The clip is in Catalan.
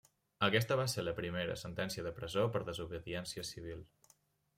Aquesta va ser la seva primera sentència de presó per desobediència civil.